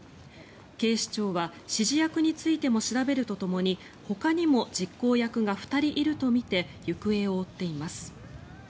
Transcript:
警視庁は指示役についても調べるとともにほかにも実行役が２人いるとみて行方を追っています。